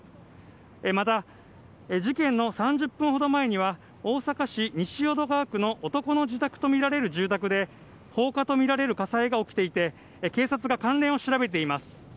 また事件の３０分ほど前には大阪市西淀川区の男の自宅とみられる住宅で放火とみられる火災が起きていて警察が関連を調べています。